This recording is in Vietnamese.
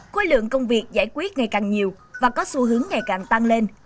khối lượng công việc giải quyết ngày càng nhiều và có xu hướng ngày càng tăng lên